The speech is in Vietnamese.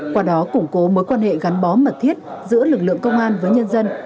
qua đó củng cố mối quan hệ gắn bó mật thiết giữa lực lượng công an với nhân dân